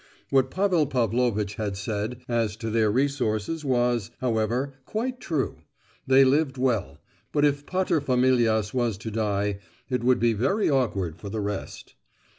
What Pavel Pavlovitch had said as to their resources was, however, quite true; they lived well, but if paterfamilias were to die, it would be very awkward for the rest.